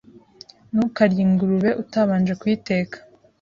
Ntukarye ingurube utabanje kuyiteka.